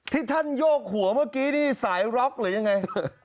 ที่ท่านโยกหัวเมื่อกี้นี่สายร็อกหรือยังไง